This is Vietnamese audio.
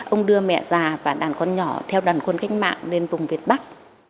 ông đưa mẹ già và đàn con nhỏ theo đàn quân cách mạng lên vùng việt bắc